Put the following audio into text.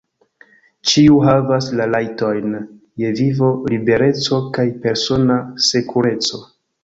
Ĉiu havas la rajtojn je vivo, libereco kaj persona sekureco.